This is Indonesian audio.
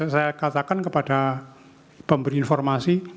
saya katakan kepada pemberi informasi